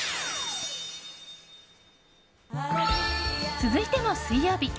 続いても水曜日。